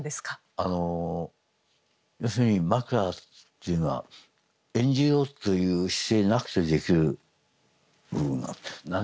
あの要するに枕っていうのは演じようという姿勢なくてできる部分なんです。